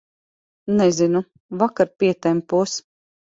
Nezinu, vakar pietempos.